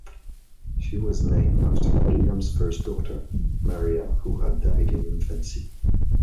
She was named after William's first daughter, Maria, who had died in infancy.